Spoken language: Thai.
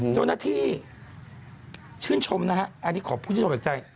เจ้าหน้าที่ชื่นชมนะครับอันนี้ขอพูดชมอีกใจ